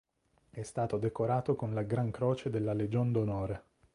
È stato decorato con la Gran Croce della Legion d'Onore.